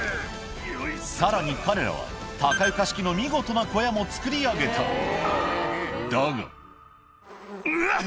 さらに彼らは高床式の見事な小屋も作り上げただがうわ！